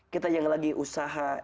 kita yang lagi usaha